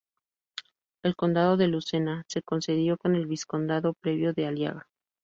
El Condado de Lucena, se concedió con el vizcondado previo de "Aliaga".